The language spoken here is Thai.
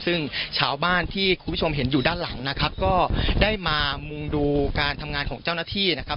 ซึ่งชาวบ้านที่คุณผู้ชมเห็นอยู่ด้านหลังนะครับก็ได้มามุงดูการทำงานของเจ้าหน้าที่นะครับ